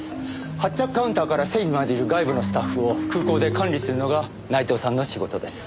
発着カウンターから整備までいる外部のスタッフを空港で管理するのが内藤さんの仕事です。